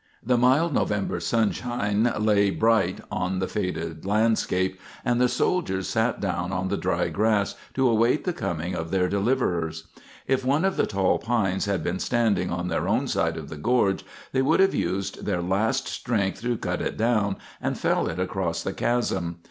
The mild November sunshine lay bright on the faded landscape, and the soldiers sat down on the dry grass to await the coming of their deliverers. If one of the tall pines had been standing on their own side of the gorge they would have used their last strength to cut it down and fell it across the chasm.